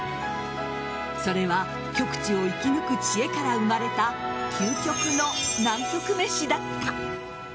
それは極地を生き抜く知恵から生まれた究極の南極めしだった。